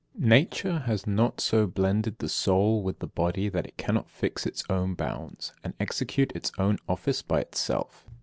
67. Nature has not so blended the soul with the body that it cannot fix its own bounds, and execute its own office by itself.